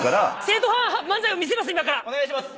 お願いします。